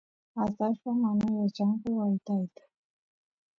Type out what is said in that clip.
atallpas mana yachanku wytayta